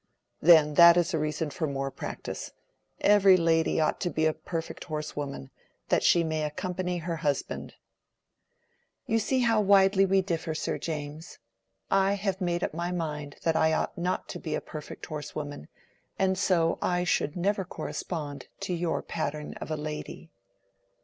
"Then that is a reason for more practice. Every lady ought to be a perfect horsewoman, that she may accompany her husband." "You see how widely we differ, Sir James. I have made up my mind that I ought not to be a perfect horsewoman, and so I should never correspond to your pattern of a lady."